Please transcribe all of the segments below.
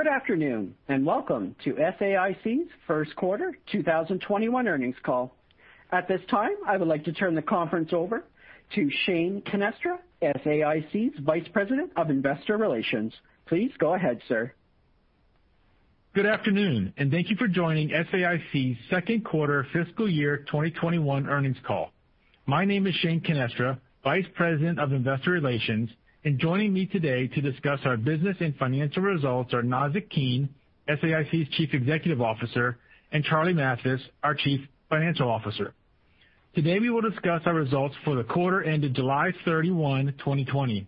Good afternoon, and welcome to SAIC's second quarter 2021 earnings call. At this time, I would like to turn the conference over to Shane Canestra, SAIC's Vice President of Investor Relations. Please go ahead, sir. Good afternoon, thank you for joining SAIC's second quarter fiscal year 2021 earnings call. My name is Shane Canestra, Vice President of Investor Relations, and joining me today to discuss our business and financial results are Nazzic Keene, SAIC's Chief Executive Officer, and Charlie Mathis, our Chief Financial Officer. Today, we will discuss our results for the quarter ended July 31, 2020.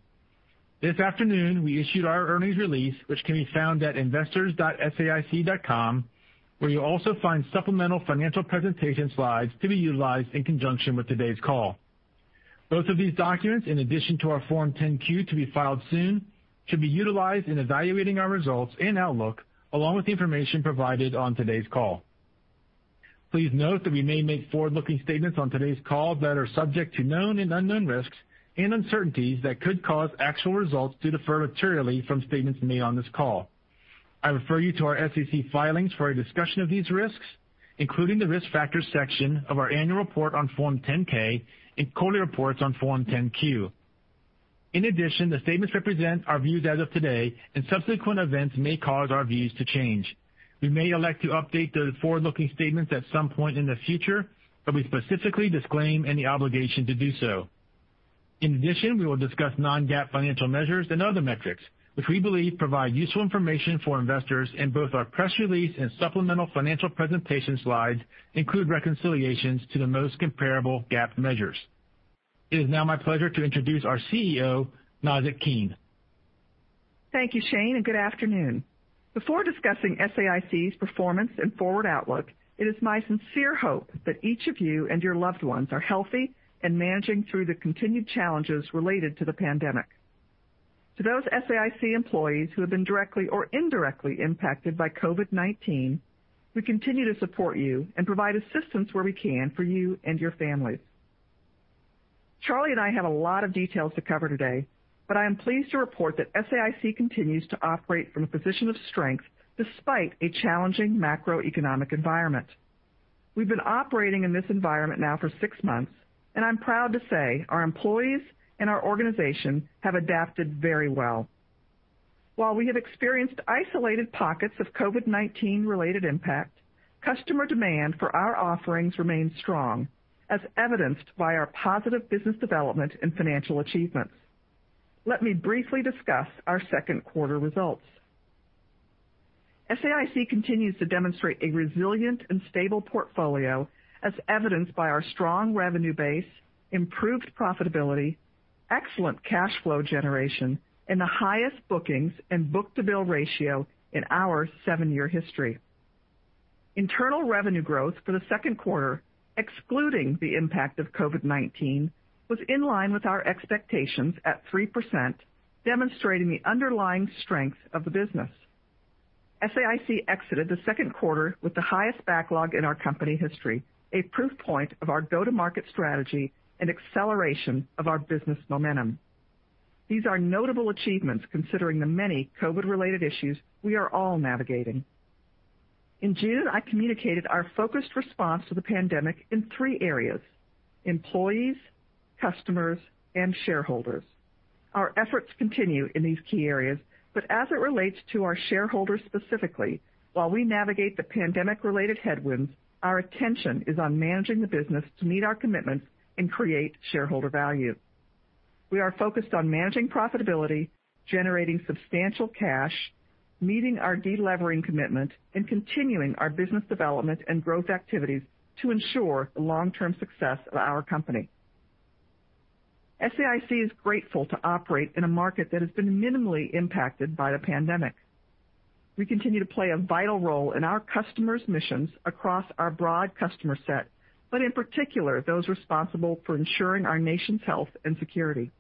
This afternoon, we issued our earnings release, which can be found at investors.saic.com, where you'll also find supplemental financial presentation slides to be utilized in conjunction with today's call. Both of these documents, in addition to our Form 10-Q to be filed soon, should be utilized in evaluating our results and outlook, along with the information provided on today's call. Please note that we may make forward-looking statements on today's call that are subject to known and unknown risks and uncertainties that could cause actual results to differ materially from statements made on this call. I refer you to our SEC filings for a discussion of these risks, including the Risk Factors section of our annual report on Form 10-K and quarterly reports on Form 10-Q. The statements represent our views as of today, and subsequent events may cause our views to change. We may elect to update the forward-looking statements at some point in the future, but we specifically disclaim any obligation to do so. We will discuss non-GAAP financial measures and other metrics, which we believe provide useful information for investors, in both our press release and supplemental financial presentation slides, including reconciliations to the most comparable GAAP measures. It is now my pleasure to introduce our CEO, Nazzic Keene. Thank you, Shane, and good afternoon. Before discussing SAIC's performance and forward outlook, it is my sincere hope that each of you and your loved ones are healthy and managing through the continued challenges related to the pandemic. To those SAIC employees who have been directly or indirectly impacted by COVID-19, we continue to support you and provide assistance where we can for you and your families. Charlie and I have a lot of details to cover today, but I am pleased to report that SAIC continues to operate from a position of strength despite a challenging macroeconomic environment. We've been operating in this environment now for six months, and I'm proud to say our employees and our organization have adapted very well. While we have experienced isolated pockets of COVID-19-related impact, customer demand for our offerings remains strong, as evidenced by our positive business development and financial achievements. Let me briefly discuss our second quarter results. SAIC continues to demonstrate a resilient and stable portfolio as evidenced by our strong revenue base, improved profitability, excellent cash flow generation, and the highest bookings and book-to-bill ratio in our seven-year history. Internal revenue growth for the second quarter, excluding the impact of COVID-19, was in line with our expectations at 3%, demonstrating the underlying strength of the business. SAIC exited the second quarter with the highest backlog in our company history, a proof point of our go-to-market strategy and acceleration of our business momentum. These are notable achievements considering the many COVID-related issues we are all navigating. In June, I communicated our focused response to the pandemic in three areas: employees, customers, and shareholders. Our efforts continue in these key areas, but as it relates to our shareholders specifically, while we navigate the pandemic-related headwinds, our attention is on managing the business to meet our commitments and create shareholder value. We are focused on managing profitability, generating substantial cash, meeting our de-levering commitment, and continuing our business development and growth activities to ensure the long-term success of our company. SAIC is grateful to operate in a market that has been minimally impacted by the pandemic. We continue to play a vital role in our customers' missions across our broad customer set, but in particular, those responsible for ensuring our nation's health and security.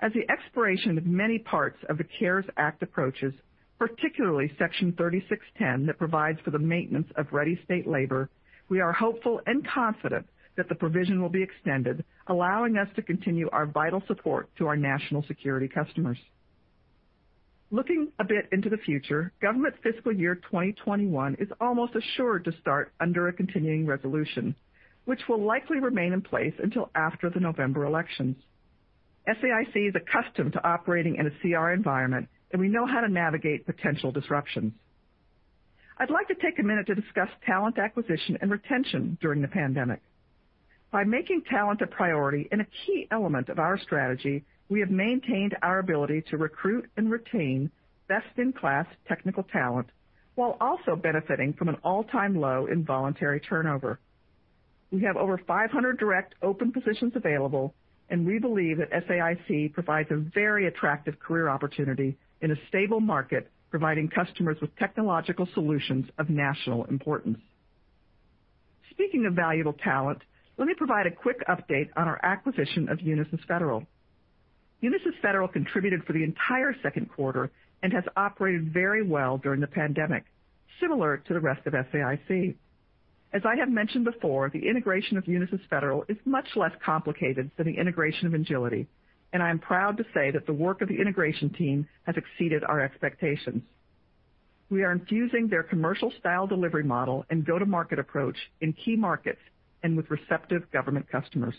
As the expiration of many parts of the CARES Act approaches, particularly Section 3610 that provides for the maintenance of ready state labor, we are hopeful and confident that the provision will be extended, allowing us to continue our vital support to our national security customers. Looking a bit into the future, government fiscal year 2021 is almost assured to start under a continuing resolution, which will likely remain in place until after the November elections. SAIC is accustomed to operating in a CR environment. We know how to navigate potential disruptions. I'd like to take a minute to discuss talent acquisition and retention during the pandemic. By making talent a priority and a key element of our strategy, we have maintained our ability to recruit and retain best-in-class technical talent while also benefiting from an all-time low in voluntary turnover. We have over 500 direct open positions available, and we believe that SAIC provides a very attractive career opportunity in a stable market, providing customers with technological solutions of national importance. Speaking of valuable talent, let me provide a quick update on our acquisition of Unisys Federal. Unisys Federal contributed to the entire second quarter and has operated very well during the pandemic, similar to the rest of SAIC. As I have mentioned before, the integration of Unisys Federal is much less complicated than the integration of Engility, and I am proud to say that the work of the integration team has exceeded our expectations. We are infusing their commercial-style delivery model and go-to-market approach in key markets and with receptive government customers.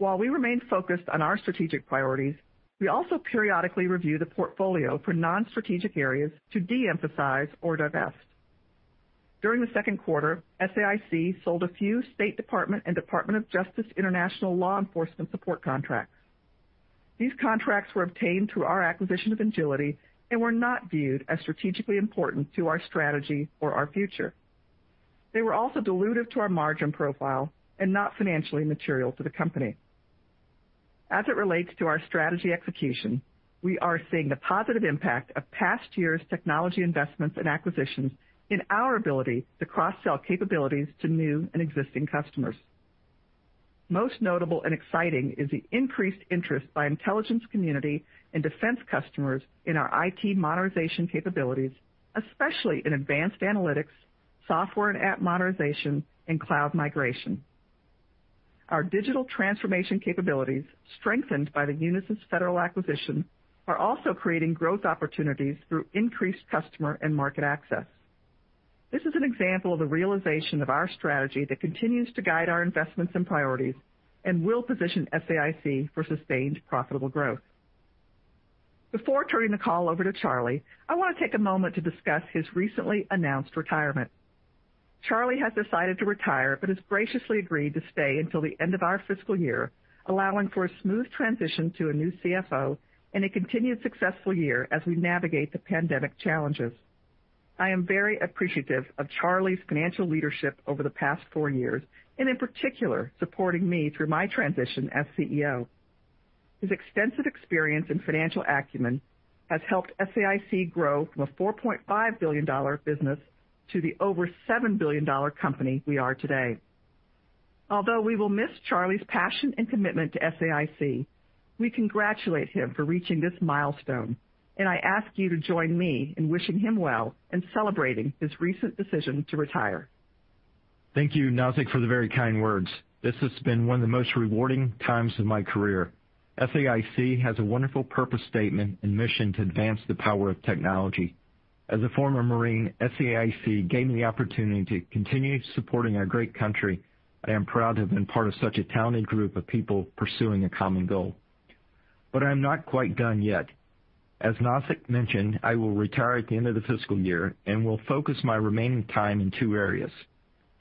While we remain focused on our strategic priorities, we also periodically review the portfolio for non-strategic areas to de-emphasize or divest. During the second quarter, SAIC sold a few U.S. Department of State and U.S. Department of Justice international law enforcement support contracts. These contracts were obtained through our acquisition of Engility and were not viewed as strategically important to our strategy or our future. They were also dilutive to our margin profile and not financially material to the company. As it relates to our strategy execution, we are seeing the positive impact of past years' technology investments and acquisitions on our ability to cross-sell capabilities to new and existing customers. Most notable and exciting is the increased interest by the intelligence community and defense customers in our IT modernization capabilities, especially in advanced analytics, software and app modernization, and cloud migration. Our digital transformation capabilities, strengthened by the Unisys Federal acquisition, are also creating growth opportunities through increased customer and market access. This is an example of the realization of our strategy that continues to guide our investments and priorities and will position SAIC for sustained profitable growth. Before turning the call over to Charlie, I want to take a moment to discuss his recently announced retirement. Charlie has decided to retire but has graciously agreed to stay until the end of our fiscal year, allowing for a smooth transition to a new CFO and a continued successful year as we navigate the pandemic challenges. I am very appreciative of Charlie's financial leadership over the past four years, and in particular, supporting me through my transition as CEO. His extensive experience and financial acumen have helped SAIC grow from a $4.5 billion business to the over $7 billion company we are today. Although we will miss Charlie's passion and commitment to SAIC, we congratulate him on reaching this milestone, and I ask you to join me in wishing him well and celebrating his recent decision to retire. Thank you, Nazzic, for the very kind words. This has been one of the most rewarding times of my career. SAIC has a wonderful purpose statement and mission to advance the power of technology. As a former Marine, SAIC gave me the opportunity to continue supporting our great country. I am proud to have been part of such a talented group of people pursuing a common goal. I'm not quite done yet. As Nazzic mentioned, I will retire at the end of the fiscal year and will focus my remaining time on two areas.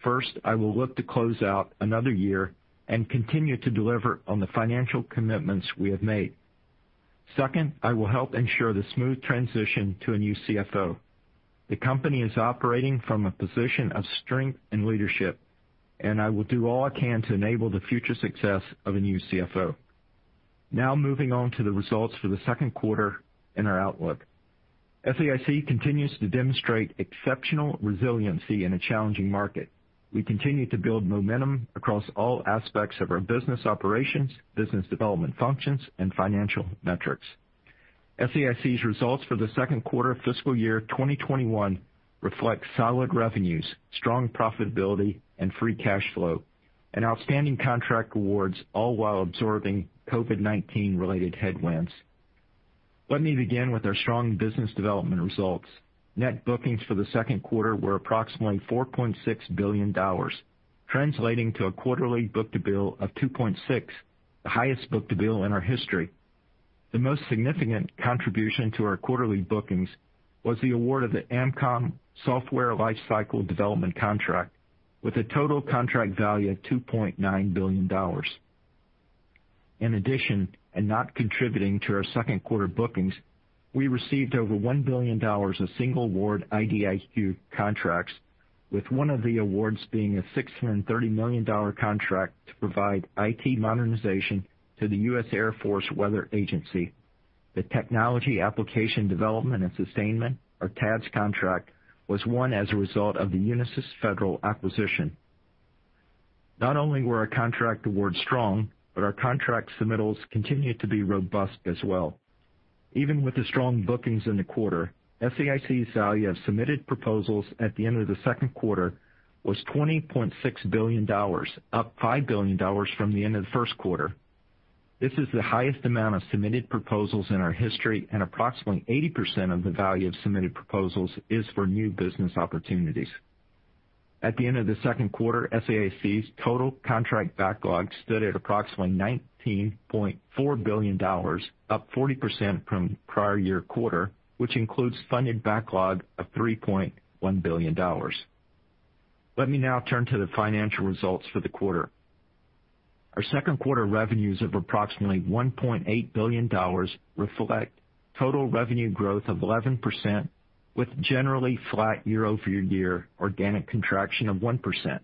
First, I will look to close out another year and continue to deliver on the financial commitments we have made. Second, I will help ensure the smooth transition to a new CFO. The company is operating from a position of strength and leadership, and I will do all I can to enable the future success of a new CFO. Now moving on to the results for the second quarter and our outlook. SAIC continues to demonstrate exceptional resiliency in a challenging market. We continue to build momentum across all aspects of our business operations, business development functions, and financial metrics. SAIC's results for the second quarter of fiscal year 2021 reflect solid revenues, strong profitability, free cash flow, and outstanding contract awards, all while absorbing COVID-19-related headwinds. Let me begin with our strong business development results. Net bookings for the second quarter were approximately $4.6 billion, translating to a quarterly book-to-bill of 2.6x, the highest book-to-bill in our history. The most significant contribution to our quarterly bookings was the award of the AMCOM Software Life Cycle Development contract with a total contract value of $2.9 billion. In addition, and not contributing to our second-quarter bookings, we received over $1 billion of single-award IDIQ contracts, with one of the awards being a $630 million contract to provide IT modernization to the U.S. Air Force Weather Agency. The Technology Application Development and Sustainment, or TADS, contract was won as a result of the Unisys Federal acquisition. Not only were our contract awards strong, but our contract submittals continued to be robust as well. Even with the strong bookings in the quarter, SAIC's value of submitted proposals at the end of the second quarter was $20.6 billion, up $5 billion from the end of the first quarter. This is the highest amount of submitted proposals in our history, and approximately 80% of the value of submitted proposals is for new business opportunities. At the end of the second quarter, SAIC's total contract backlog stood at approximately $19.4 billion, up 40% from the prior year quarter, which includes a funded backlog of $3.1 billion. Let me now turn to the financial results for the quarter. Our second quarter revenues of approximately $1.8 billion reflect total revenue growth of 11%, with generally flat year-over-year organic contraction of 1%.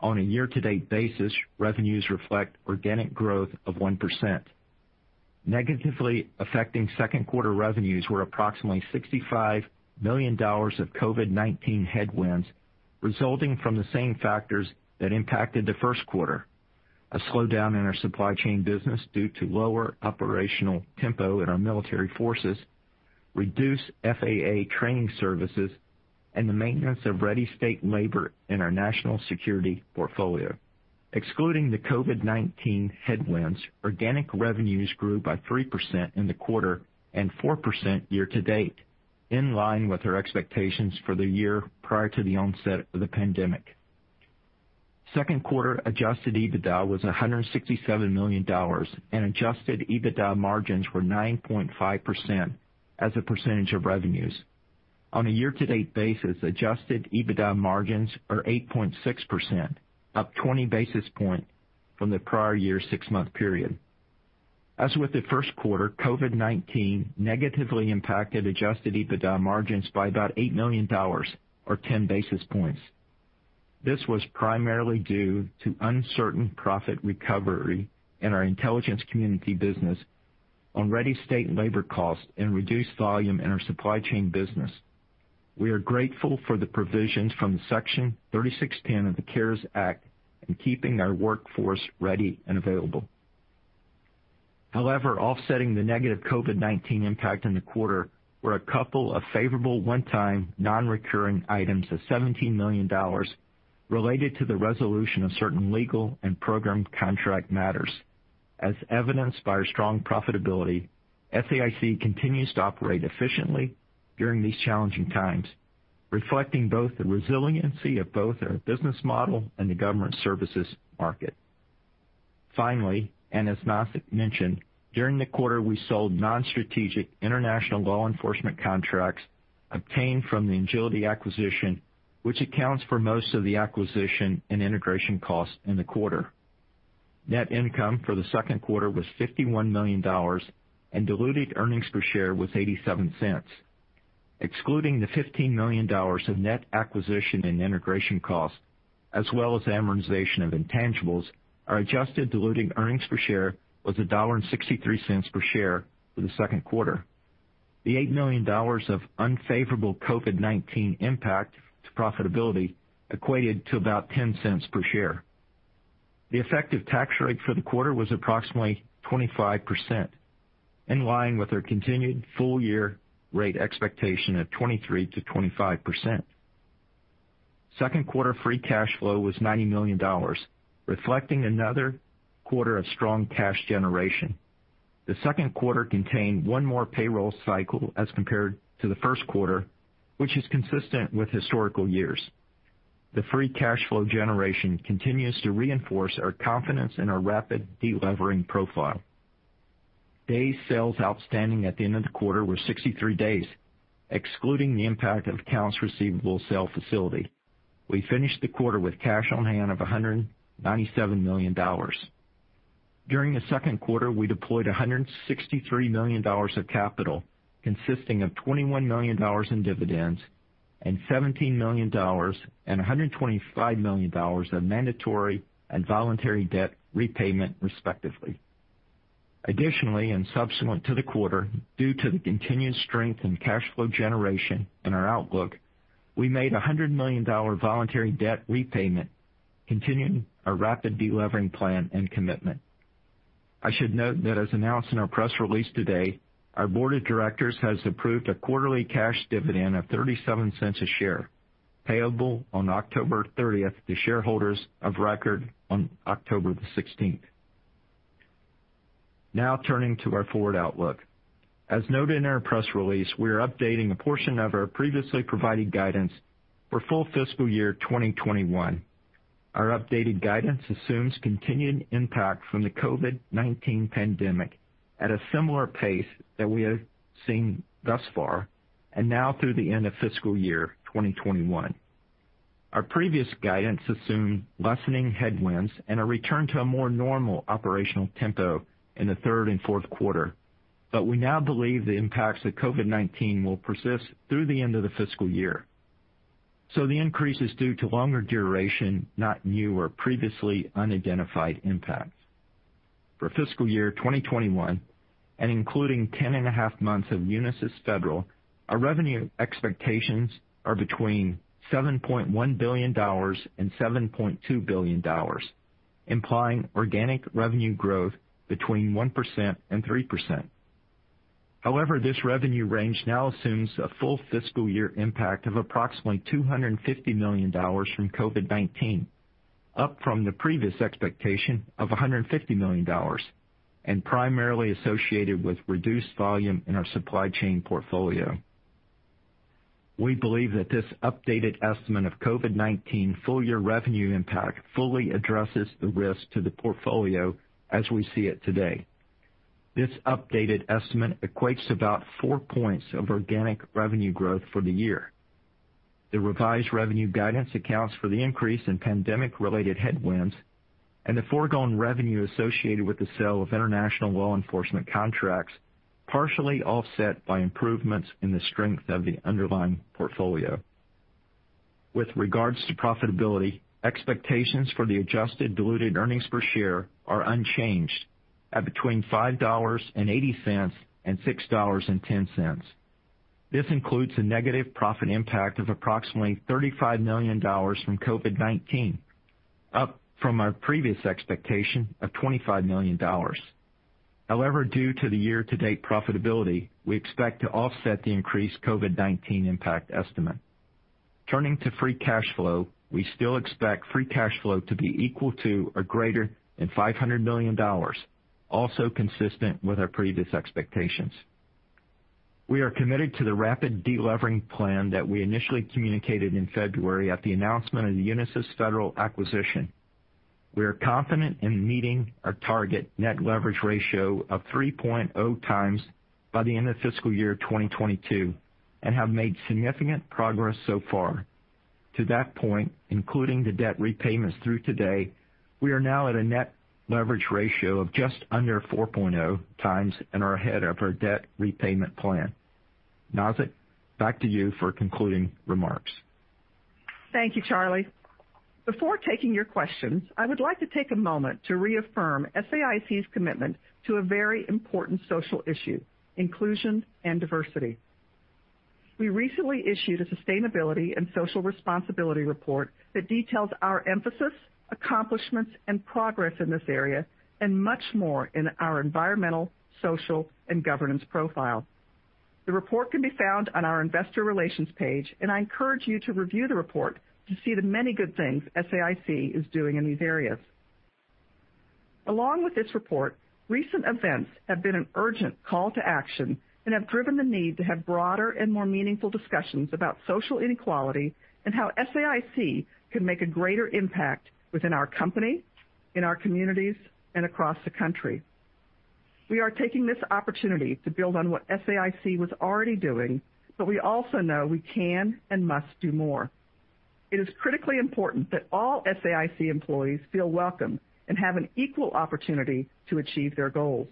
On a year-to-date basis, revenues reflect organic growth of 1%. Negatively affecting second-quarter revenues were approximately $65 million of COVID-19 headwinds resulting from the same factors that impacted the first quarter, a slowdown in our supply chain business due to lower operational tempo in our military forces, reduced FAA training services, and the maintenance of ready-state labor in our national security portfolio. Excluding the COVID-19 headwinds, organic revenues grew by 3% in the quarter and 4% year-to-date, in line with our expectations for the year prior to the onset of the pandemic. Second quarter Adjusted EBITDA was $167 million and Adjusted EBITDA margins were 9.5% as a percentage of revenues. On a year-to-date basis, adjusted EBITDA margins are 8.6%, up 20 basis points from the prior year's six-month period. As with the first quarter, COVID-19 negatively impacted Adjusted EBITDA margins by about $8 million or 10 basis points. This was primarily due to uncertain profit recovery in our intelligence community business on ready-state labor costs and reduced volume in our supply chain business. We are grateful for the provisions from Section 3610 of the CARES Act in keeping our workforce ready and available. However, offsetting the negative COVID-19 impact in the quarter were a couple of favorable one-time non-recurring items of $17 million related to the resolution of certain legal and program contract matters. As evidenced by our strong profitability, SAIC continues to operate efficiently during these challenging times, reflecting both the resiliency of both our business model and the government services market. Finally, and as Nazzic mentioned, during the quarter, we sold non-strategic international law enforcement contracts obtained from the Engility acquisition, which accounts for most of the acquisition and integration costs in the quarter. Net income for the second quarter was $51 million, and diluted earnings per share were $0.87. Excluding the $15 million of net acquisition and integration costs, as well as amortization of intangibles, our adjusted diluted earnings per share were $1.63 for the second quarter. The $8 million of unfavorable COVID-19 impact to profitability equated to about $0.10 per share. The effective tax rate for the quarter was approximately 25%, in line with our continued full-year rate expectation of 23%-25%. Second quarter free cash flow was $90 million, reflecting another quarter of strong cash generation. The second quarter contained one more payroll cycle as compared to the first quarter, which is consistent with historical years. The free cash flow generation continues to reinforce our confidence in our rapid de-levering profile. Days sales outstanding at the end of the quarter were 63 days, excluding the impact of the accounts receivable sale facility. We finished the quarter with cash on hand of $197 million. During the second quarter, we deployed $163 million of capital, consisting of $21 million in dividends and $17 million and $125 million of mandatory and voluntary debt repayment, respectively. Additionally, subsequent to the quarter, due to the continued strength in cash flow generation and our outlook, we made a $100 million voluntary debt repayment, continuing our rapid de-levering plan and commitment. I should note that, as announced in our press release today, our board of directors has approved a quarterly cash dividend of $0.37 a share, payable on October 30th to shareholders of record on October 16th. Turning to our forward outlook. As noted in our press release, we are updating a portion of our previously provided guidance for the full fiscal year 2021. Our updated guidance assumes continued impact from the COVID-19 pandemic at a similar pace that we have seen thus far and now through the end of fiscal year 2021. Our previous guidance assumed lessening headwinds and a return to a more normal operational tempo in the third and fourth quarters, but we now believe the impacts of COVID-19 will persist through the end of the fiscal year. The increase is due to longer duration, not new or previously unidentified impacts. For fiscal year 2021, and including 10 and a half months of Unisys Federal, our revenue expectations are between $7.1 billion-$7.2 billion, implying organic revenue growth between 1% and 3%. However, this revenue range now assumes a full fiscal year impact of approximately $250 million from COVID-19, up from the previous expectation of $150 million, and is primarily associated with reduced volume in our supply chain portfolio. We believe that this updated estimate of COVID-19 full-year revenue impact fully addresses the risk to the portfolio as we see it today. This updated estimate equates to about 4 percentage points of organic revenue growth for the year. The revised revenue guidance accounts for the increase in pandemic-related headwinds and the foregone revenue associated with the sale of international law enforcement contracts, partially offset by improvements in the strength of the underlying portfolio. With regards to profitability, expectations for the adjusted diluted earnings per share are unchanged at between $5.80-$6.10. This includes a negative profit impact of approximately $35 million from COVID-19, up from our previous expectation of $25 million. However, due to the year-to-date profitability, we expect to offset the increased COVID-19 impact estimate. Turning to free cash flow, we still expect free cash flow to be equal to or greater than $500 million, also consistent with our previous expectations. We are committed to the rapid de-levering plan that we initially communicated in February at the announcement of the Unisys Federal acquisition. We are confident in meeting our target net leverage ratio of 3.0x by the end of fiscal year 2022 and have made significant progress so far. To that point, including the debt repayments through today, we are now at a net leverage ratio of just under 4.0x and are ahead of our debt repayment plan. Nazzic, back to you for concluding remarks. Thank you, Charlie. Before taking your questions, I would like to take a moment to reaffirm SAIC's commitment to a very important social issue, inclusion and diversity. We recently issued a sustainability and social responsibility report that details our emphasis, accomplishments, and progress in this area, and much more in our environmental, social, and governance profile. The report can be found on our investor relations page, and I encourage you to review the report to see the many good things SAIC is doing in these areas. Along with this report, recent events have been an urgent call to action and have driven the need to have broader and more meaningful discussions about social inequality and how SAIC can make a greater impact within our company, in our communities, and across the country. We are taking this opportunity to build on what SAIC was already doing, but we also know we can and must do more. It is critically important that all SAIC employees feel welcome and have an equal opportunity to achieve their goals.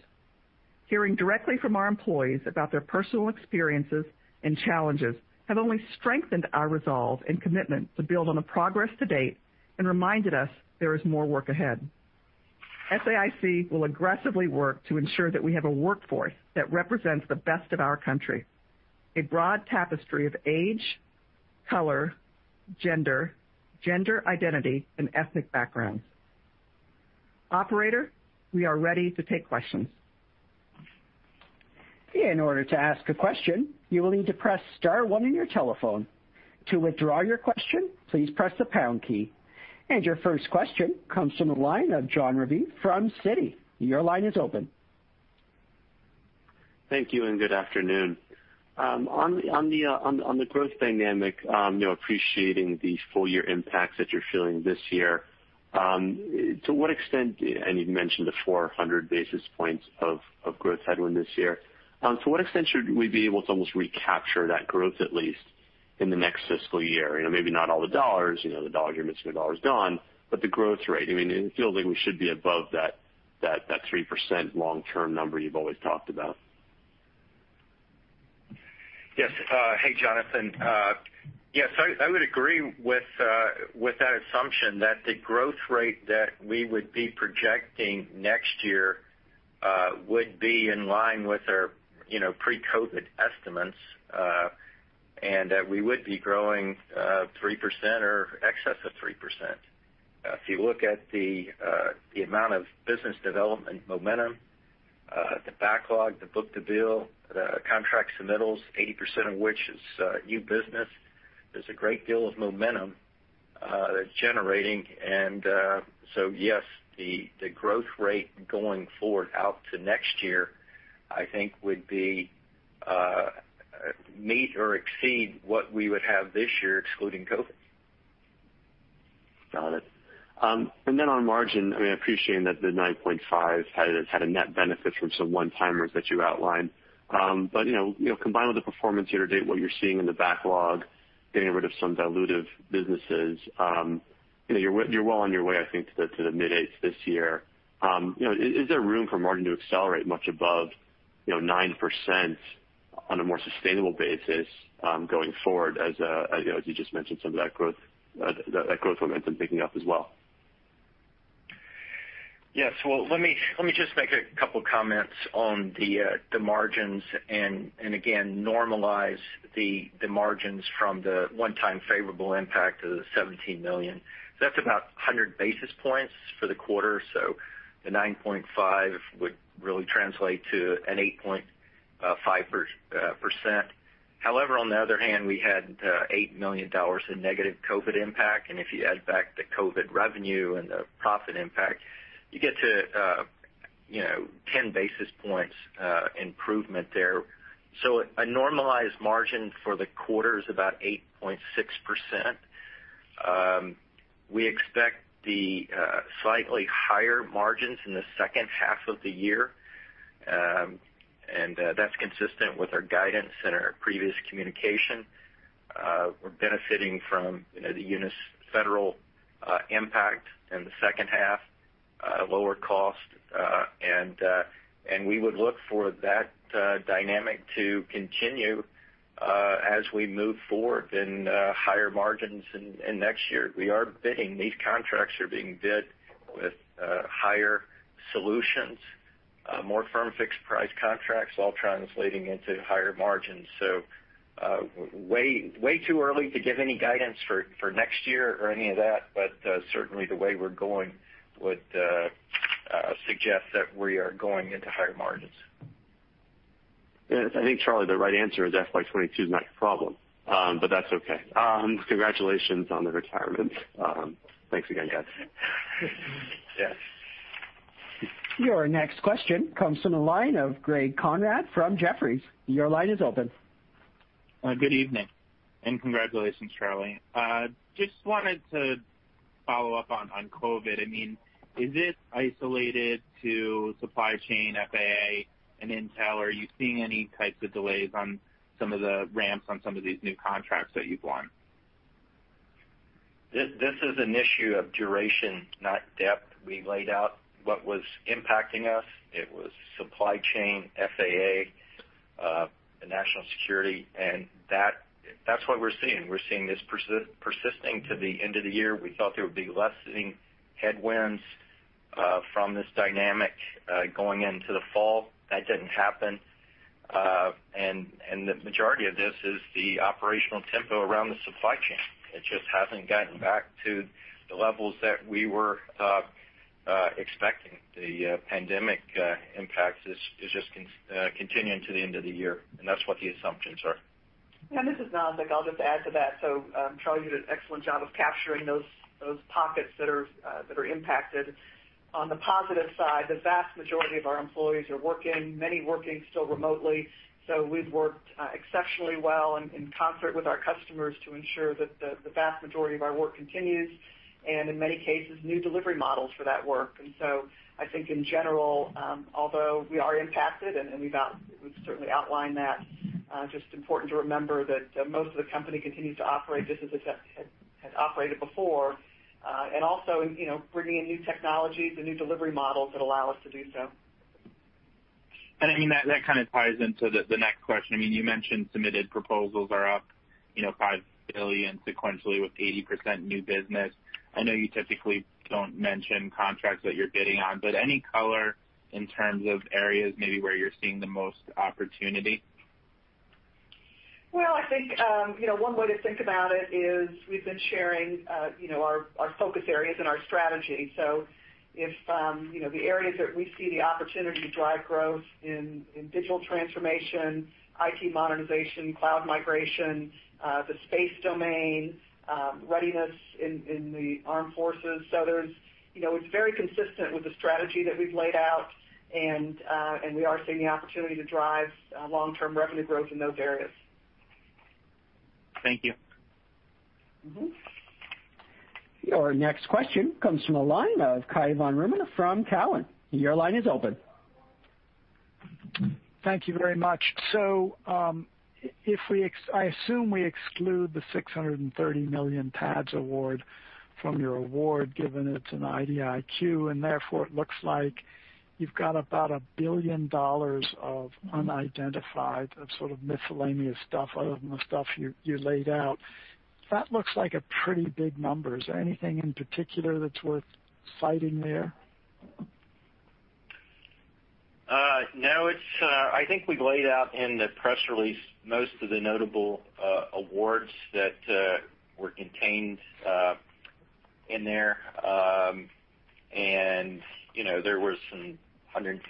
Hearing directly from our employees about their personal experiences and challenges has only strengthened our resolve and commitment to build on the progress to date and reminded us that there is more work ahead. SAIC will aggressively work to ensure that we have a workforce that represents the best of our country. A broad tapestry of age, color, gender identity, and ethnic background. Operator, we are ready to take questions. In order to take a question, you will need to press star one on your telephone. To withdraw your question, please press the pound key. Your first question comes from the line of Jon Raviv from Citi. Your line is open. Thank you, and good afternoon. On the growth dynamic, appreciating the full-year impacts that you're feeling this year. You've mentioned the 400 basis points of growth headwind this year. To what extent should we be able to almost recapture that growth, at least in the next fiscal year? Maybe not all the dollars, the dollar commitment is dollars gone, but the growth rate. It feels like we should be above that 3% long-term number you've always talked about. Yes. Hey, Jonathan. Yes, I would agree with that assumption that the growth rate that we would be projecting next year would be in line with our pre-COVID estimates. That we would be growing 3% or in excess of 3%. If you look at the amount of business development momentum, the backlog, the book-to-bill, the contract submittals, 80% of which is new business. There's a great deal of momentum that's generating. Yes, the growth rate going forward out to next year, I think, would meet or exceed what we would have this year, excluding COVID. Got it. On margin, I appreciate that the 9.5% had a net benefit from some one-timers that you outlined. Combined with the performance year-to-date, what you're seeing in the backlog, getting rid of some dilutive businesses, you're well on your way, I think, to the mid-range of 8% this year. Is there room for margin to accelerate much above 9% on a more sustainable basis going forward, as you just mentioned, some of that growth momentum picking up as well? Yes. Well, let me just make a couple of comments on the margins and again, normalize the margins from the one-time favorable impact of the $17 million. That's about 100 basis points for the quarter. The 9.5% would really translate to 8.5%. However, on the other hand, we had $8 million in negative COVID-19 impact. If you add back the COVID-19 revenue and the profit impact, you get to 10 basis points of improvement there. A normalized margin for the quarter is about 8.6%. We expect the slightly higher margins in the second half of the year. That's consistent with our guidance and our previous communication. We're benefiting from the Unisys Federal impact in the second half, with lower costs. We would look for that dynamic to continue as we move forward with higher margins next year. These contracts are being bid with Higher solutions, more firm-fixed-price contracts, all translating into higher margins. Way too early to give any guidance for next year or any of that. Certainly, the way we're going would suggest that we are going into higher margins. Yes. I think, Charlie, the right answer is that FY 2022 is not your problem. That's okay. Congratulations on your retirement. Thanks again, guys. Yeah. Your next question comes from the line of Greg Konrad from Jefferies. Your line is open. Good evening, and congratulations, Charlie. Just wanted to follow up on COVID-19. Is it isolated to the supply chain, FAA, and intelligence, or are you seeing any types of delays on some of the ramps on some of these new contracts that you've won? This is an issue of duration, not depth. We laid out what was impacting us. It was supply chain, FAA, and national security, and that's what we're seeing. We're seeing this persisting to the end of the year. We thought there would be lessening headwinds from this dynamic going into the fall. That didn't happen. The majority of this is the operational tempo around the supply chain. It just hasn't gotten back to the levels that we were expecting. The pandemic impact is just continuing to the end of the year. That's what the assumptions are. This is Nazzic. I'll just add to that. Charlie did an excellent job of capturing those pockets that are impacted. On the positive side, the vast majority of our employees are working, and many are still working remotely. We've worked exceptionally well in concert with our customers to ensure that the vast majority of our work continues, and in many cases, new delivery models for that work. I think in general, although we are impacted and we've certainly outlined that, just important to remember that most of the company continues to operate just as it had operated before. Also, bringing in new technologies and new delivery models that allow us to do so. That kind of ties into the next question. You mentioned that submitted proposals are up $5 billion sequentially, with 80% new business. I know you typically don't mention contracts that you're bidding on, but any color in terms of areas, maybe where you're seeing the most opportunity? Well, I think one way to think about it is we've been sharing our focus areas and our strategy. If the areas that we see the opportunity to drive growth in digital transformation, IT modernization, cloud migration, the space domain, and readiness in the armed forces. It's very consistent with the strategy that we've laid out. We are seeing the opportunity to drive long-term revenue growth in those areas. Thank you. Your next question comes from the line of Cai von Rumohr from Cowen. Your line is open. Thank you very much. I assume we exclude the $630 million TADS award from your award, given it's an IDIQ, and therefore, it looks like you've got about $1 billion of unidentified, of sort of miscellaneous stuff other than the stuff you laid out. That looks like a pretty big number. Is there anything in particular that's worth citing there? No. I think we've laid out in the press release most of the notable awards that were mentioned in there. There were some $150 million,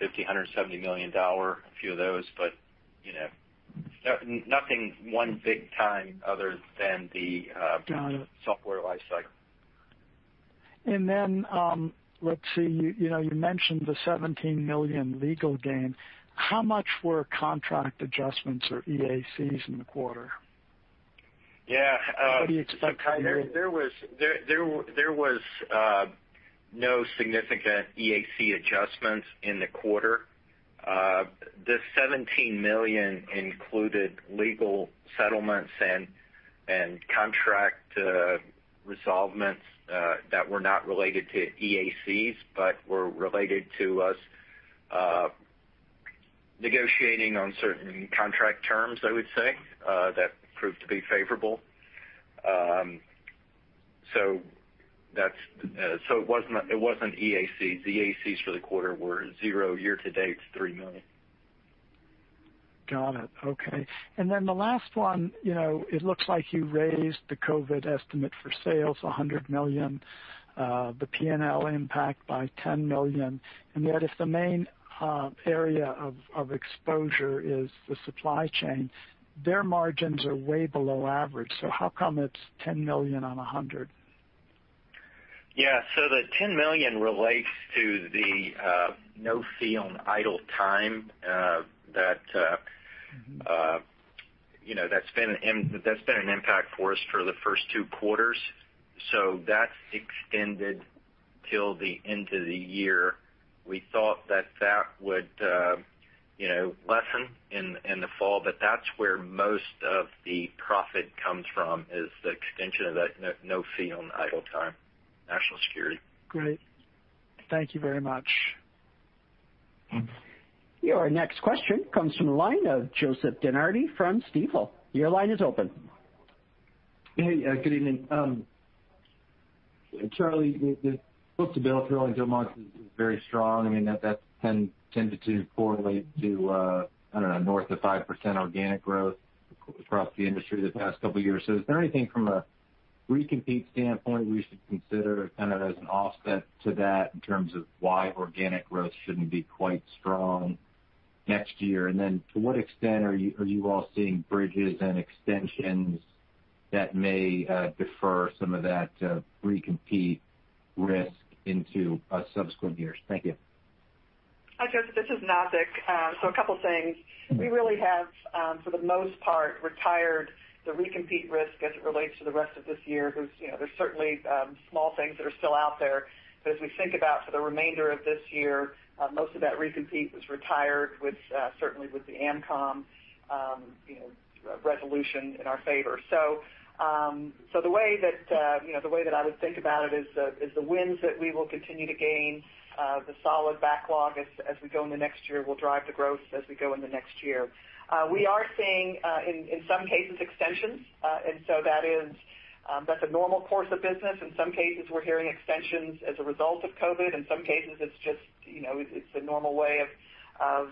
$170 million, a few of those, but nothing one big time, other than- Got it. The AMCOM Software Life Cycle Development. Let's see. You mentioned the $17 million legal gain. How much were contract adjustments or EACs in the quarter? Yeah. What do you expect? There were no significant EAC adjustments in the quarter. The $17 million included legal settlements and contract settlements that were not related to EACs, but were related to our negotiating on certain contract terms. I would say that proved to be favorable. It wasn't EACs. The EACs for the quarter were zero. Year-to-date's $3 million. Got it. Okay. The last one, it looks like you raised the COVID estimate for sales $100 million, the P&L impact by $10 million, and yet if the main area of exposure is the supply chain, their margins are way below average. How come it's $10 million on $100 million? Yeah. The $10 million relates to the no-fee on idle time. That's been an impact on us for the first two quarters. That's extended till the end of the year. We thought that that would lessen in the fall, but that's where most of the profit comes from, the extension of that no-fee on idle time, and national security. Great. Thank you very much. Your next question comes from the line of Joseph DeNardi from Stifel. Your line is open. Hey, good evening. Charlie, the book-to-bill in the quarter is very strong. That tended to correlate to, I don't know, north of 5% organic growth across the industry in the past couple of years. Is there anything from a recompete standpoint we should consider as an offset to that in terms of why organic growth shouldn't be quite as strong next year? To what extent are you all seeing bridges and extensions that may defer some of that recompete risk into subsequent years? Thank you. Hi, Joseph. This is Nazzic. A couple of things. We really have, for the most part, retired the recompete risk as it relates to the rest of this year. There are certainly small things that are still out there. As we think about the remainder of this year, most of that recompete was retired, certainly with the AMCOM resolution in our favor. The way that I would think about it is the wins that we will continue to gain, the solid backlog as we go into the next year will drive the growth as we go into the next year. We are seeing, in some cases, extensions. That's a normal course of business. In some cases, we're hearing extensions as a result of COVID. In some cases, it's the normal way of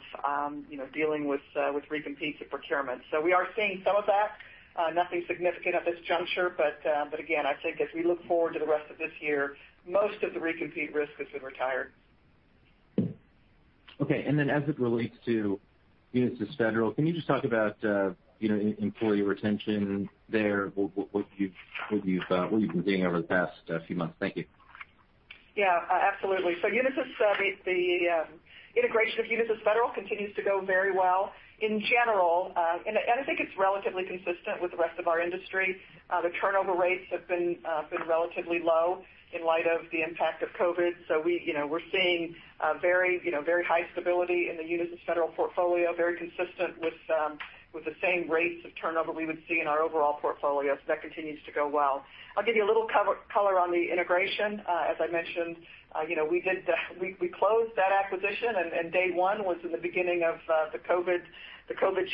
dealing with recompetes at procurement. We are seeing some of that. Nothing significant at this juncture, but again, I think as we look forward to the rest of this year, most of the recompete risk has been retired. Okay. As it relates to Unisys Federal, can you just talk about employee retention there, what you've been doing over the past few months? Thank you. Yeah. Absolutely. The integration of Unisys Federal continues to go very well in general. I think it's relatively consistent with the rest of our industry. The turnover rates have been relatively low in light of the impact of COVID. We're seeing very high stability in the Unisys Federal portfolio, very consistent with the same rates of turnover we would see in our overall portfolio. That continues to go well. I'll give you a little color on the integration. As I mentioned, we closed that acquisition, and day one was at the beginning of the COVID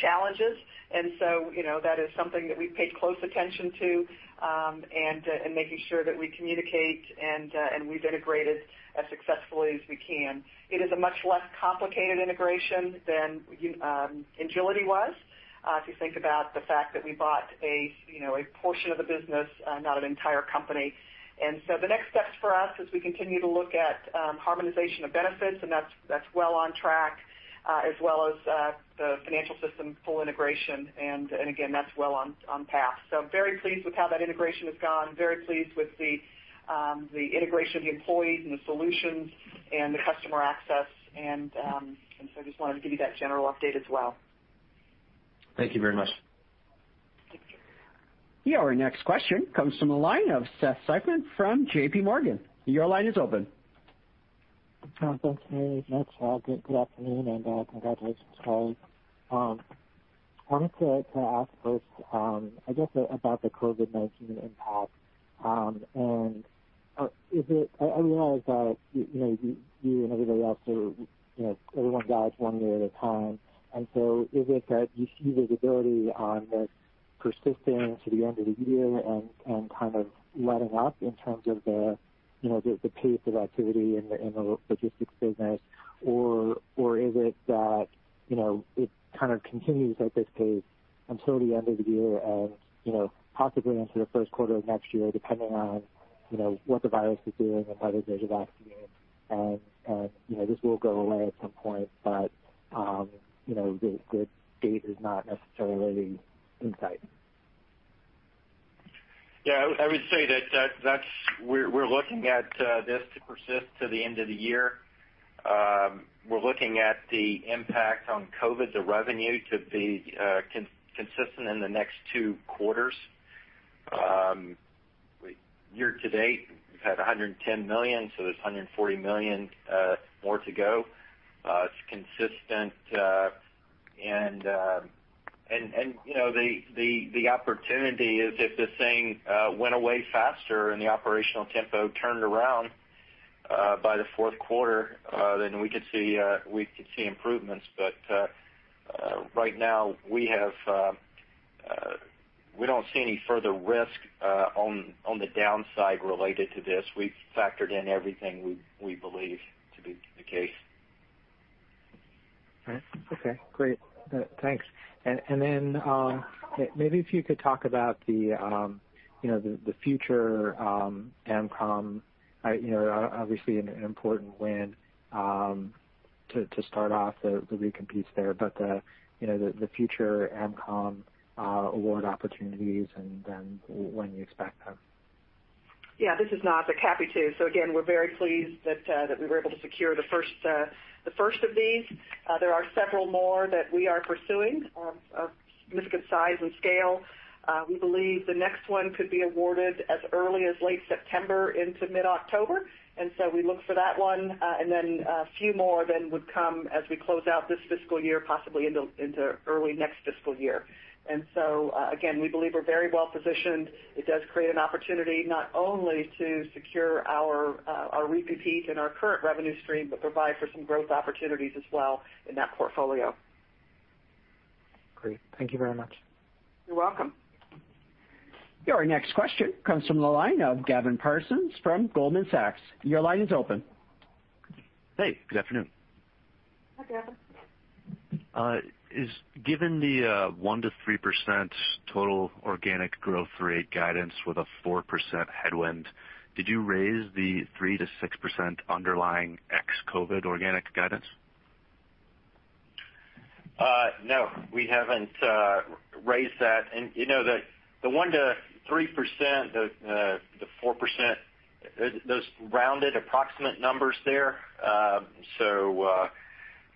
challenges. That is something that we've paid close attention to, and making sure that we communicate and we've integrated as successfully as we can. It is a much less complicated integration than Engility was. If you think about the fact that we bought a portion of the business, not an entire company. The next steps for us as we continue to look at harmonization of benefits, and that's well on track, as well as the full integration of the financial system. Again, that's well on path. Very pleased with how that integration has gone. Very pleased with the integration of the employees and the solutions and the customer access, and so I just wanted to give you that general update as well. Thank you very much. Your next question comes from the line of Seth Seifman from JPMorgan. Your line is open. Thanks very much. Good afternoon, and congratulations, Charlie. I wanted to ask first, I guess, about the COVID-19 impact. I realize that you and everybody else, everyone guides one quarter at a time. Is it that you see visibility on this persisting to the end of the year and kind of letting up in terms of the pace of activity in the logistics business or is it that it kind of continues at this pace until the end of the year and possibly into the first quarter of next year, depending on what the virus is doing and whether there's a vaccine, and this will go away at some point, but the date is not necessarily in sight? Yeah, I would say that we're looking at this to persist to the end of the year. We're looking at the impact of COVID and the revenue to be consistent in the next two quarters. Year to date, we've had $110 million. There's $140 million more to go. It's consistent. The opportunity is that if this thing went away faster and the operational tempo turned around by the fourth quarter, we could see improvements. Right now, we don't see any further risk on the downside related to this. We've factored in everything we believe to be the case. Okay. Great. Thanks. Maybe if you could talk about the future of AMCOM. Obviously, an important win to start off the recompetes there, the future AMCOM award opportunities, and then when you expect them. This is Nazzic. Happy to. Again, we're very pleased that we were able to secure the first of these. There are several more that we are pursuing of significant size and scale. We believe the next one could be awarded as early as late September into mid-October, so we look for that one. A few more then would come as we close out this fiscal year, possibly into early next fiscal year. Again, we believe we're very well positioned. It does create an opportunity not only to secure our recompete and our current revenue stream, but also to provide for some growth opportunities as well in that portfolio. Great. Thank you very much. You're welcome. Your next question comes from the line of Gavin Parsons from Goldman Sachs. Your line is open. Hey, good afternoon. Hi, Gavin. Given the 1%-3% total organic growth rate guidance with a 4% headwind, did you raise the 3%-6% underlying ex-COVID organic guidance? No, we haven't raised that. The 1%-3%, the 4%, those rounded approximate numbers are there.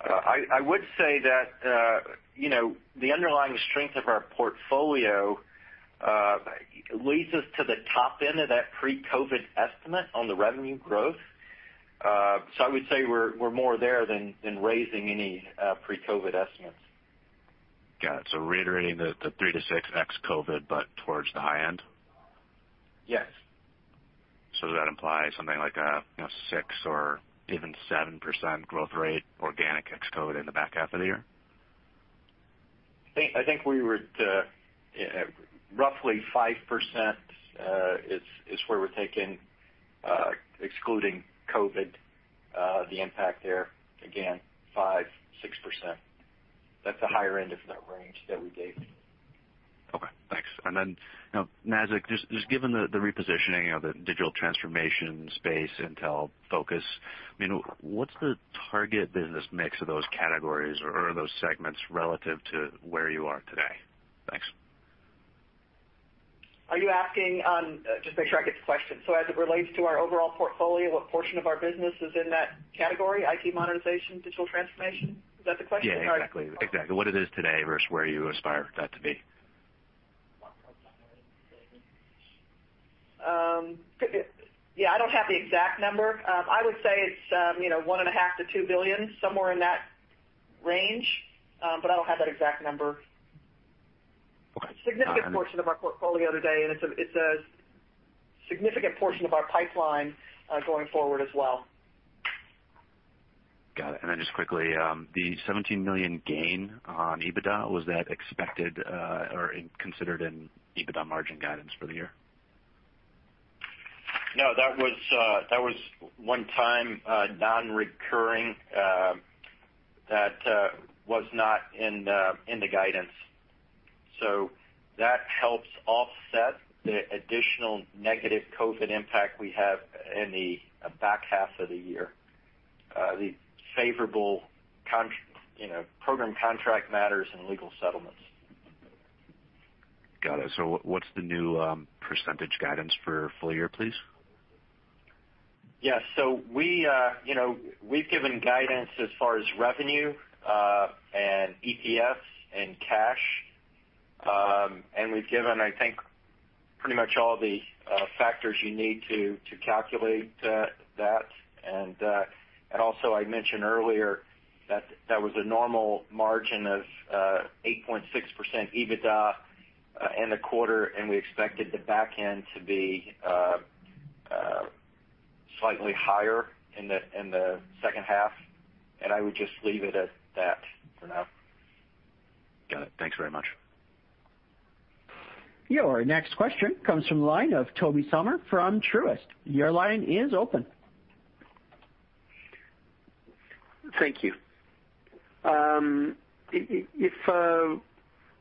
I would say that the underlying strength of our portfolio leads us to the top end of that pre-COVID estimate on the revenue growth. I would say we're more there than raising any pre-COVID estimates. Got it. Reiterating the 3%-6% ex-COVID, but towards the high end? Yes. Does that imply something like a 6% or even 7% growth rate organic ex-COVID in the back half of the year? I think we were at roughly 5% is where we're targeting, excluding COVID, the impact there. Again, 5%-6%. That's the higher end of the range that we gave. Okay, thanks. Nazzic, just given the repositioning of the digital transformation space, intelligence-focused, what's the target business mix of those categories or those segments relative to where you are today? Thanks. Just make sure I get the question. As it relates to our overall portfolio, what portion of our business is in that category, IT modernization, digital transformation? Is that the question? Yeah, exactly. What it is today versus where you aspire that to be. I don't have the exact number. I would say it's $1.5 billion-$2 billion, somewhere in that range. I don't have that exact number. Okay. Significant portion of our portfolio today, and it's a significant portion of our pipeline going forward as well. Got it. Then, just quickly, the $17 million gain on EBITDA was that expected or considered in EBITDA margin guidance for the year? No, that was one-time non-recurring. That was not in the guidance. That helps offset the additional negative COVID impact we have in the back half of the year. The favorable program contract matters and legal settlements. Got it. What's the new percentage guidance for full-year, please? We've given guidance as far as revenue, EPS, and cash. We've given, I think, pretty much all the factors you need to calculate that. Also, I mentioned earlier that that was a normal margin of 8.6% EBITDA in the quarter. We expected the back end to be slightly higher in the second half. I would just leave it at that for now. Got it. Thanks very much. Your next question comes from the line of Tobey Sommer from Truist. Your line is open. Thank you. If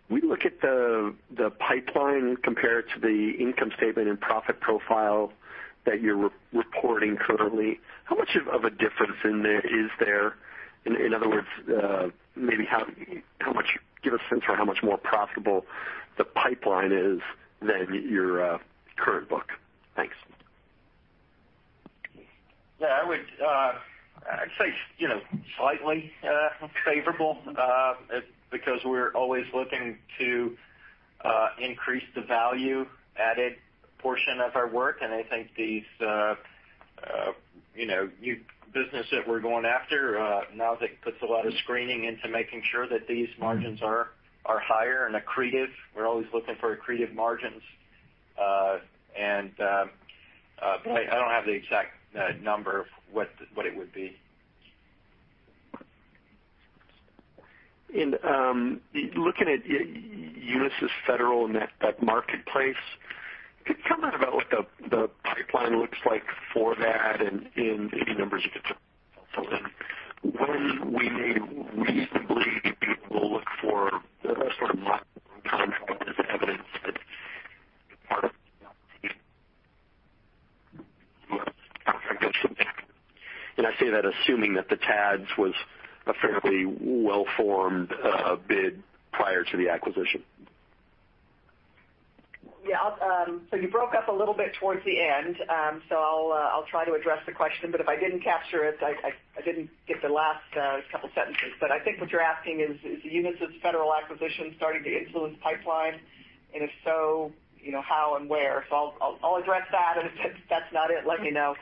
we look at the pipeline compared to the income statement and profit profile that you're reporting currently, how much of a difference is there? In other words, maybe give a sense of how much more profitable the pipeline is than your current book. Thanks. Yeah, I would say slightly favorable, because we're always looking to increase the value-added portion of our work, and I think these new businesses that we're going after, now that puts a lot of screening into making sure that these margins are higher and accretive. We're always looking for accretive margins. I don't have the exact number of what it would be. Looking at Unisys Federal and that marketplace, could you tell me about what the pipeline looks like for that and any numbers you could throw in, when we may reasonably be able to look for a sort of contract as evidence of that? I say that, assuming that the TADS was a fairly well-formed bid prior to the acquisition. You broke up a little bit towards the end. I'll try to address the question, but if I didn't capture it, I didn't get the last couple of sentences. I think what you're asking is whether the Unisys Federal acquisition is starting to influence the pipeline? If so, how and where? I'll address that. If that's not it, let me know.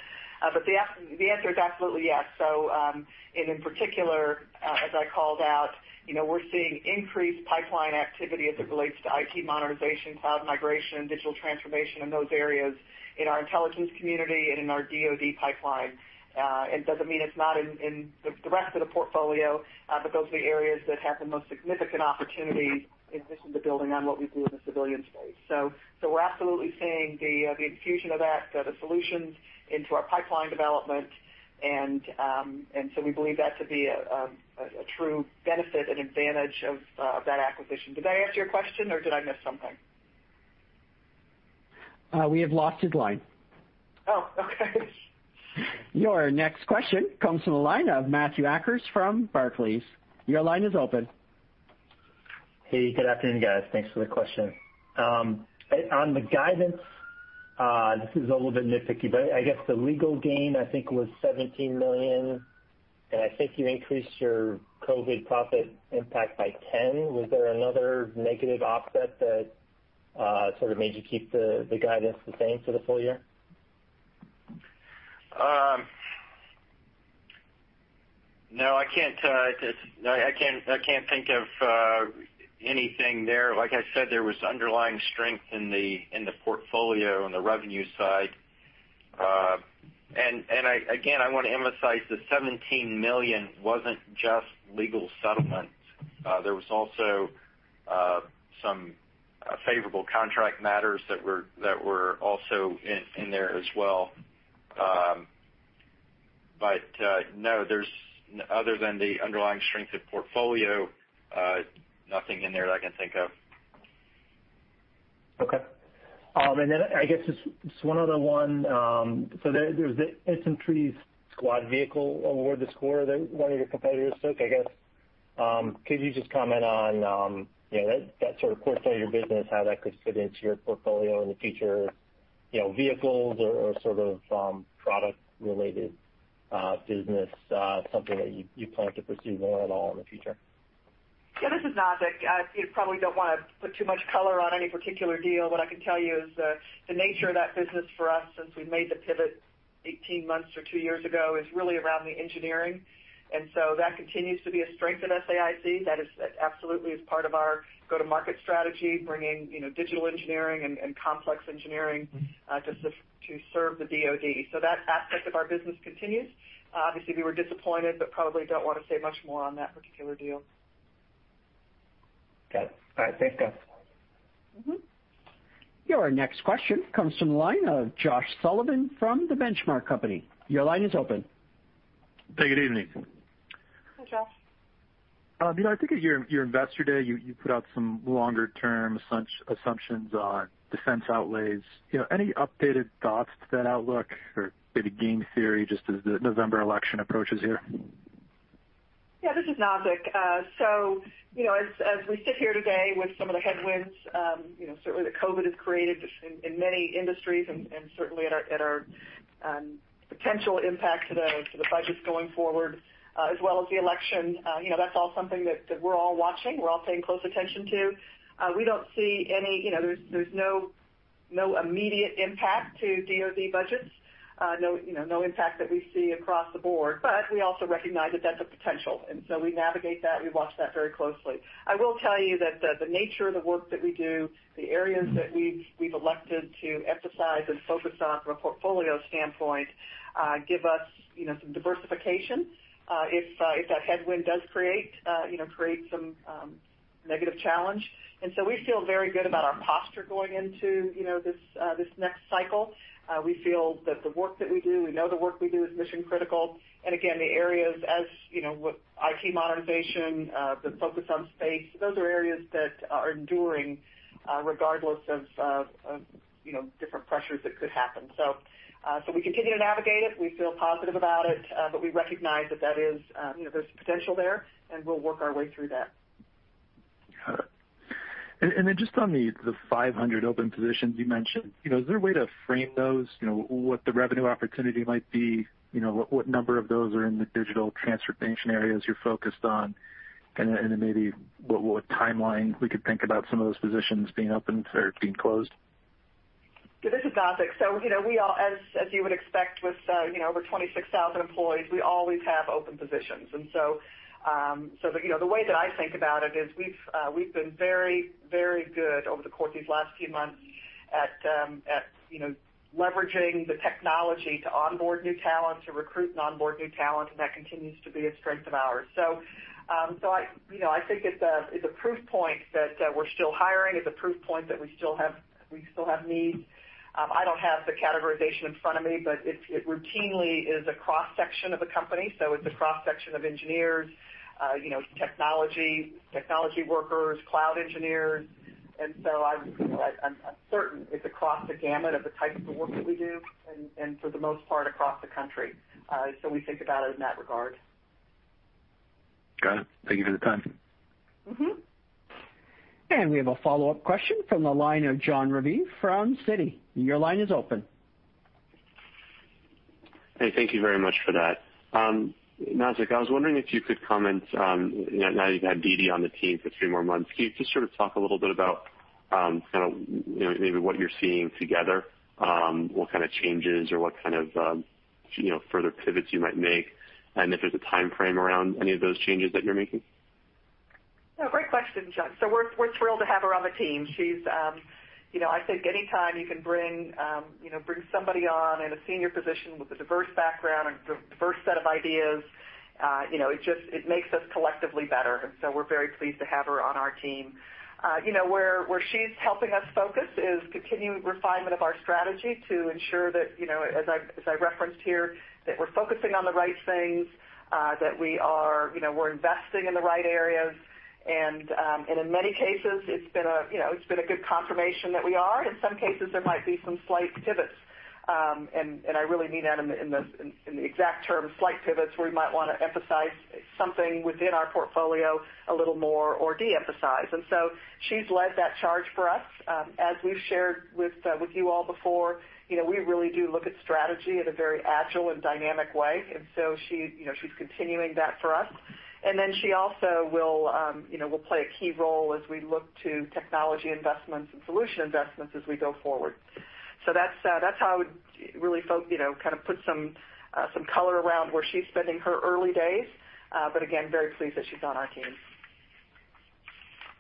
The answer is absolutely yes. In particular, as I called out, we're seeing increased pipeline activity as it relates to IT modernization, cloud migration, and digital transformation in those areas in our intelligence community and in our DoD pipeline. It doesn't mean it's not in the rest of the portfolio, but those are the areas that have the most significant opportunities, in addition to building on what we do in the civil agency space. We're absolutely seeing the infusion of that, the solutions into our pipeline development. We believe that to be a true benefit and advantage of that acquisition. Did I answer your question, or did I miss something? We have lost his line. Oh, okay. Your next question comes from the line of Matthew Akers from Barclays. Your line is open. Hey, good afternoon, guys. Thanks for the question. On the guidance, this is a little bit nitpicky, but I guess the legal gain, I think, was $17 million, and I think you increased your COVID profit impact by $10 million. Was there another negative offset that sort of made you keep the guidance the same for the full year? I can't think of anything there. Like I said, there was underlying strength in the portfolio on the revenue side. Again, I want to emphasize that the $17 million wasn't just legal settlements. There were also some favorable contract matters that were in there as well. No, other than the underlying strength of the portfolio, nothing in there that I can think of. Okay. I guess just one other one. There's the Infantry Squad Vehicle award, the win that one of your competitors took, I guess. Could you just comment on that sort of core part of your business, how that could fit into your portfolio in the future, vehicles, or sort of product-related business, something that you plan to pursue more at all in the future? Yeah, this is Nazzic. You probably don't want to put too much color on any particular deal. What I can tell you is that the nature of that business for us, since we made the pivot 18 months or two years ago, is really around the engineering. That continues to be a strength of SAIC. That absolutely is part of our go-to-market strategy, bringing digital engineering and complex engineering to serve the DoD. That aspect of our business continues. Obviously, we were disappointed, but we probably don't want to say much more on that particular deal. Got it. All right, thanks, guys. Your next question comes from the line of Josh Sullivan from The Benchmark Company. Your line is open. Hey, good evening. Hi, Josh. I think at your Investor Day, you put out some longer-term assumptions on defense outlays. Any updated thoughts on that outlook or maybe game theory, just as the November election approaches here? This is Nazzic. As we sit here today with some of the headwinds certainly that COVID has created in many industries and certainly at our potential impact to the budgets going forward, as well as the election, that's all something that we're all watching, we're all paying close attention to. There's no immediate impact on DoD budgets. No impact that we see across the board. We also recognize that that's a potential, and so we navigate that. We watch that very closely. I will tell you that the nature of the work that we do, the areas that we've elected to emphasize and focus on from a portfolio standpoint, gives us some diversification, if that headwind does create some negative challenge. We feel very good about our posture going into this next cycle. We feel that the work that we do, we know the work we do is mission-critical. Again, the areas, such as IT modernization, the focus on space, are areas that are enduring, regardless of different pressures that could happen. We continue to navigate it. We feel positive about it. We recognize that there's potential there, and we'll work our way through that. Got it. Just on the 500 open positions you mentioned, is there a way to frame those, and what the revenue opportunity might be? What number of those are in the digital transformation areas you're focused on? Maybe what timeline could we think about for some of those positions being opened or closed? This is Nazzic. As you would expect, with over 26,000 employees, we always have open positions. The way that I think about it is we've been very good over these last few months at leveraging the technology to onboard new talent, to recruit and onboard new talent, and that continues to be a strength of ours. I think it's a proof point that we're still hiring. It's a proof point that we still have needs. I don't have the categorization in front of me, but it routinely is a cross-section of a company. It's a cross-section of engineers, technology workers, and cloud engineers. I'm certain it's across the gamut of the types of work that we do and, for the most part, across the country. We think about it in that regard. Got it. Thank you for your time. We have a follow-up question from the line of Jon Raviv from Citi. Your line is open. Hey, thank you very much for that. Nazzic, I was wondering if you could comment, now that you've had Dee Dee on the team for three more months, can you just sort of talk a little bit about, kind of, maybe what you're seeing together? What kind of changes or what kind of further pivots you might make, and if there's a timeframe around any of those changes that you're making? Yeah, great question, Jon. We're thrilled to have her on the team. I think any time you can bring somebody on in a senior position with a diverse background and a diverse set of ideas, it makes us collectively better. We're very pleased to have her on our team. What she's helping us focus on is continuing refinement of our strategy to ensure that, as I referenced here, we're focusing on the right things, that we're investing in the right areas, and in many cases, it's been a good confirmation that we are. In some cases, there might be some slight pivots. I really mean that in the exact term, slight pivots, where we might want to emphasize something within our portfolio a little more or de-emphasize. She's led that charge for us. As we've shared with you all before, we really do look at strategy in a very agile and dynamic way. She's continuing that for us. Then she will also play a key role as we look to technology investments and solution investments as we go forward. That's how I would really kind of put some color around where she's spending her early days. Again, very pleased that she's on our team.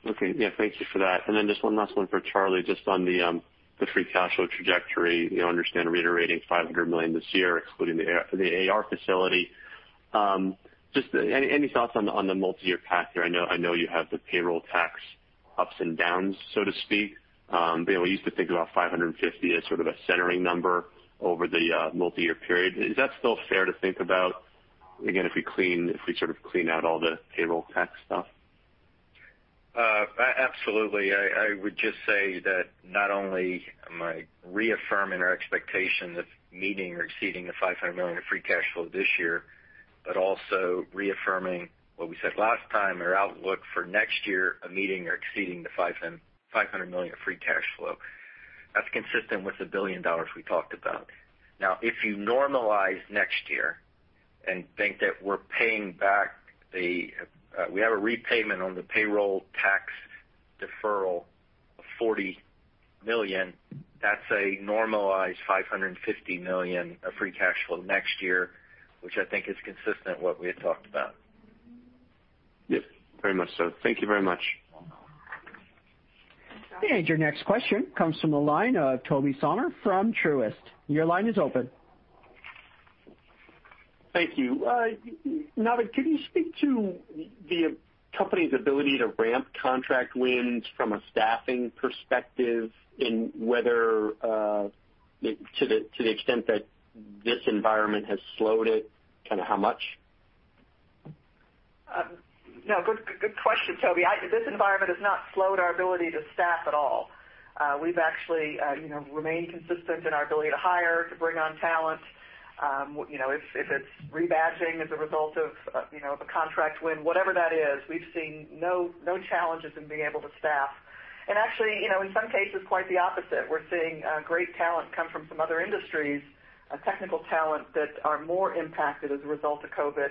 Okay. Yeah, thank you for that. Just one last one for Charlie, just on the free cash flow trajectory. I understand reiterating $500 million this year, excluding the AR facility. Just any thoughts on the multi-year path there? I know you have the payroll tax ups and downs, so to speak. We used to think about $550 million as sort of a centering number over the multi-year period. Is that still fair to think about? Again, if we sort of clean out all the payroll tax stuff. Absolutely. I would just say that not only am I reaffirming our expectation of meeting or exceeding the $500 million of free cash flow this year, but also reaffirming what we said last time, our outlook for next year of meeting or exceeding the $500 million of free cash flow. That's consistent with the $1 billion we talked about. Now, if you normalize next year and think that we have a repayment on the payroll tax deferral of $40 million. That's a normalized $550 million of free cash flow next year, which I think is consistent with what we had talked about. Yep, very much so. Thank you very much. Your next question comes from the line of Tobey Sommer from Truist. Your line is open. Thank you. Nazzic, can you speak to the company's ability to ramp contract wins from a staffing perspective, and to the extent that this environment has slowed it, kind of how much? Good question, Tobey. This environment has not slowed our ability to staff at all. We've actually remained consistent in our ability to hire, to bring on talent. If it's rebadging as a result of a contract win, whatever that is, we've seen no challenges in being able to staff. Actually, in some cases, quite the opposite. We're seeing great talent come from some other industries, technical talent that is more impacted as a result of COVID-19.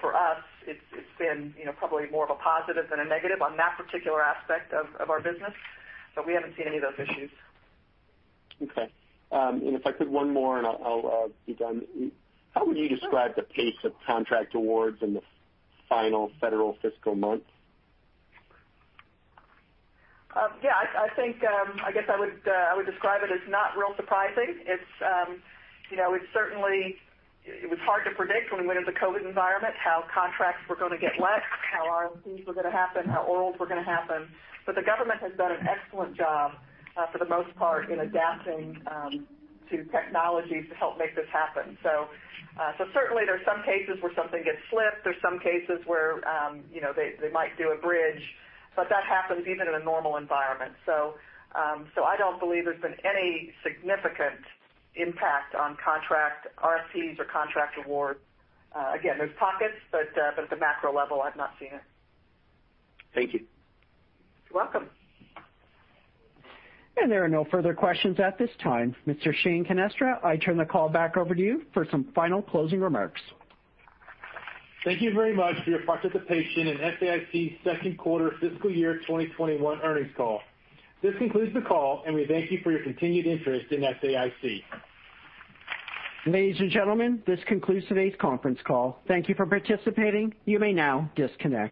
For us, it's probably been more of a positive than a negative on that particular aspect of our business, but we haven't seen any of those issues. Okay. If I could, one more, and I'll be done. How would you describe the pace of contract awards in the final federal fiscal month? Yeah, I guess I would describe it as not really surprising. It was hard to predict when we went into the COVID environment, how contracts were going to get let, how RFPs were going to happen, and how orals were going to happen. The government has done an excellent job, for the most part, in adapting to technology to help make this happen. Certainly, there are some cases where something gets slipped; there are some cases where they might do a bridge, but that happens even in a normal environment. I don't believe there's been any significant impact on contract RFPs or contract awards. Again, there are pockets, but at the macro level, I've not seen it. Thank you. You're welcome. There are no further questions at this time. Mr. Shane Canestra, I turn the call back over to you for some final closing remarks. Thank you very much for your participation in SAIC's second quarter fiscal year 2021 earnings call. This concludes the call, and we thank you for your continued interest in SAIC. Ladies and gentlemen, this concludes today's conference call. Thank you for participating. You may now disconnect.